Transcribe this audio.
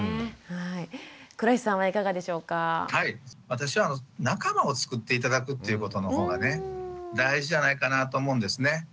私は仲間をつくって頂くっていうことの方がね大事じゃないかなと思うんですね。